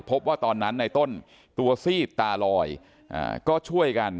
พบว่าตอนนั้นในต้นตัวซีดตาลอยก็ช่วยกัน